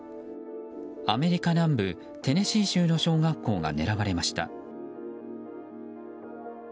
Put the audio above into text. アメリカ南部テネシー州の小学校が狙われました。